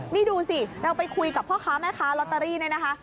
นี่ดูสิเราไปคุยกับพ่อค้าแม่ค้าลอตเตอรี่เนี่ยนะคะ